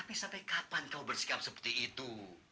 tapi sampai kapan kau bersikap seperti itu